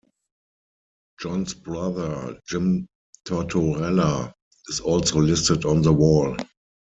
John's brother Jim Tortorella is also listed on the wall.